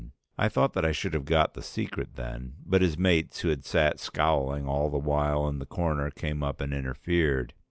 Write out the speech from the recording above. I thought that I should have got at the secret then, but his mates who had sat scowling all the while in the corner came up and interfered.